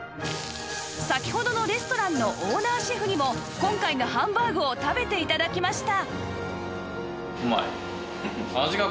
先ほどのレストランのオーナーシェフにも今回のハンバーグを食べて頂きました